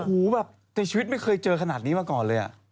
ในชีวิตไม่เคยเจอขนาดนี้มาก่อนเลยอะ